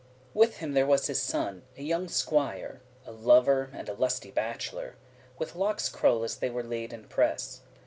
With him there was his son, a younge SQUIRE, A lover, and a lusty bacheler, With lockes crulle* as they were laid in press.